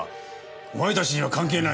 お前たちには関係ない。